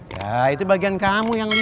ya itu bagian kamu yang